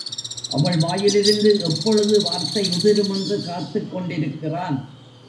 அவள் வாயிலிருந்து எப்பொழுது வார்த்தை உதிரும் என்று காத்துக் கொண்டிருக்கிறான்.